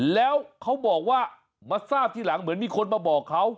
แล้วเขาบอกว่ามาทราบทีหลังเหมือนมีคนมาบอกเขา